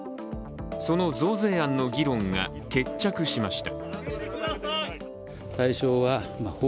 その増税案の議論が決着しました。